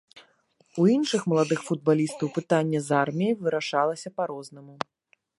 У іншых маладых футбалістаў пытанне з арміяй вырашалася па-рознаму.